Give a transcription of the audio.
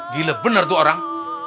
gila bener tuh orang